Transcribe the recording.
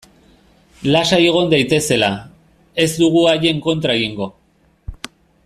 Lasai egon daitezela, ez dugu haien kontra egingo.